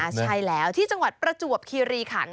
ใช่แล้วที่จังหวัดประจวบคีรีขัน